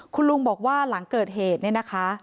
คุณลุงบอกว่าหลังเกิดเหตุเนี่ยนะคะ